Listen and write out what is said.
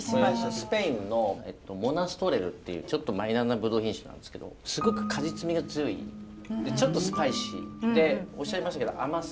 スペインのモナストレルというちょっとマイナーなぶどう品種なんですけどすごく果実味が強いでちょっとスパイシーでおっしゃいましたけど甘さ